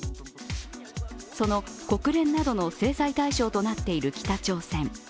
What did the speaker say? その国連などの制裁対象となっている北朝鮮。